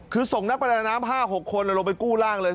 คือส่งนักประดาน้ำ๕๖คนลงไปกู้ร่างเลย